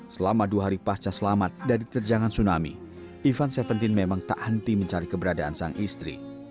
selama dua hari pasca selamat dari terjangan tsunami ivan tujuh belas memang tak henti mencari keberadaan sang istri